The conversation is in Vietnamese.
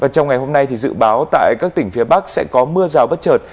trong ngày hôm nay dự báo tại các tỉnh phía bắc sẽ có mưa rào bất chợt